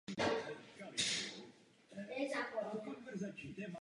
Byl rovněž členem zvláštního výboru pro posouzení základního a středního školství v Izraeli.